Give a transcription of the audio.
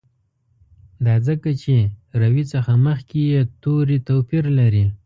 دا ځکه چې روي څخه مخکي یې توري توپیر لري.